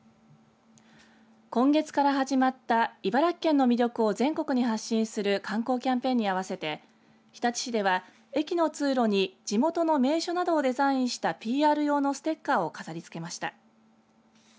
今月から始まった茨城県の魅力を全国に発信する観光キャンペーンに合わせて日立市では駅の通路に地元の名所などをデザインしたＰＲ用のステッカーを飾りつけました。